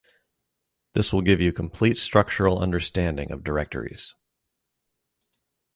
This will give you complete structural understanding of directories.